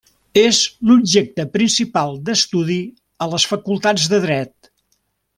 És l'objecte principal d'estudi a les facultats de Dret.